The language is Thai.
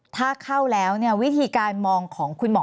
ถ้าเข้าแล้ววิธีการมองของคุณหมอ